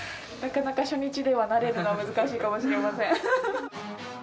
なかなか初日で慣れるのは難しいかもしれません。